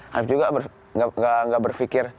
hanif juga nggak berfikir